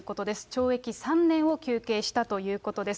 懲役３年を求刑したということです。